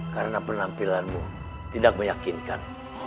karena penampilanmu tidak meyakinkan